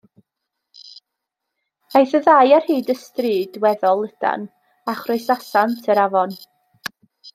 Aeth y ddau ar hyd ystryd weddol lydan, a chroesasant yr afon.